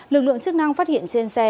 lực lượng chức năng phát hiện trên xe